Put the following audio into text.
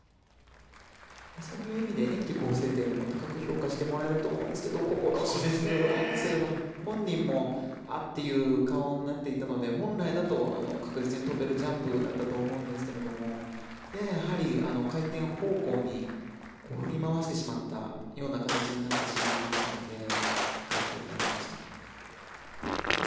そういう意味では演技構成点でも高く評価していると思うんですがここのシングルアクセルも本人も、あ！という顔になっていたので本来だと確実に跳べるジャンプだと思うんですが回転方向に振り回してしまったような形になってしまいましたので１回転になりました。